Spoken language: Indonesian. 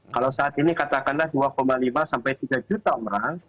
kalau saat ini katakanlah dua lima sampai tiga juta orang